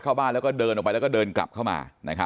เข้าบ้านแล้วก็เดินออกไปแล้วก็เดินกลับเข้ามา